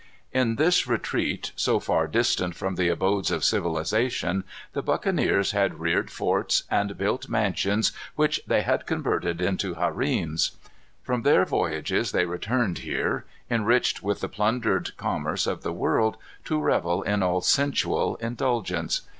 In this retreat, so far distant from the abodes of civilization, the buccaneers had reared forts, and built mansions which they had converted into harems. From their voyages they returned here enriched with the plundered commerce of the world, to revel in all sensual indulgence.